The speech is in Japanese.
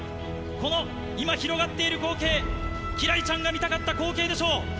この今広がっている光景、輝星ちゃんが見たかった光景でしょう。